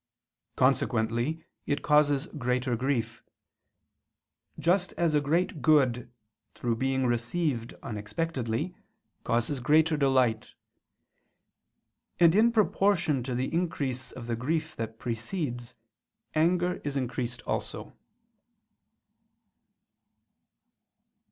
Consequently it causes greater grief: just as a great good, through being received unexpectedly, causes greater delight. And in proportion to the increase of the grief that precedes, anger is increased also.